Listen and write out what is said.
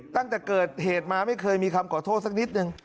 ตั้งแต่เกิดเหตุมาไม่เคยมีคำขอโทษสักนิดนึง